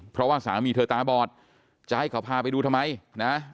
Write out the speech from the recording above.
เพราะว่าสามีเธอตาบอดจะให้เขาพาไปดูทำไมนะ